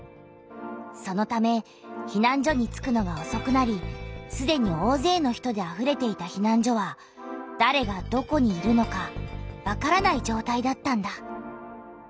そのためひなん所に着くのがおそくなりすでにおおぜいの人であふれていたひなん所はだれがどこにいるのかわからないじょうたいだったんだ。